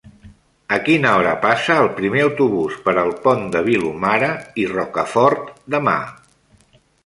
A quina hora passa el primer autobús per el Pont de Vilomara i Rocafort demà?